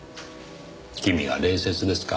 君が礼節ですか。